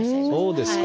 そうですか。